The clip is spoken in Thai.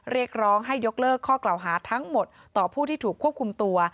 เรียกร้องให้ยกเลิกข้อกล่าวหาทั้งหมดต่อผู้ที่ถูกควบคุมตัว